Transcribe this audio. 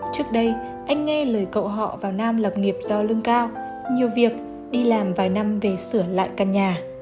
trước đây anh nghe lời cậu họ vào nam lập nghiệp do lương cao nhiều việc đi làm vài năm về sửa lại căn nhà